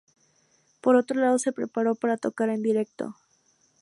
Por otro lado, se preparó para tocar en directo.